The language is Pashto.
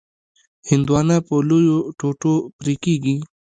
هندوانه په لویو ټوټو پرې کېږي.